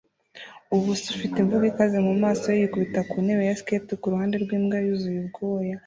ubusa ufite imvugo ikaze mumaso ye yikubita kuntebe ya skate kuruhande rwimbwa yuzuye ubwoya